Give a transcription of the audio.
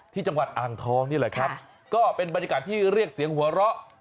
ที่จังหวัดอ่างทองนี่แหละครับก็เป็นบรรยากาศที่เรียกเสียงหัวเราะ